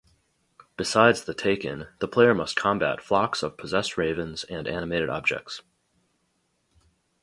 Besides the Taken, the player must combat flocks of possessed ravens and animated objects.